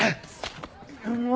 もう！